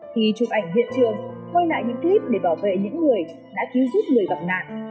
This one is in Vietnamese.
thì chụp ảnh hiện trường hôi nại những clip để bảo vệ những người đã cứu giúp người bậc nạn